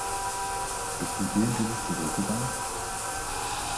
Bist du je in dieses Büro gegangen?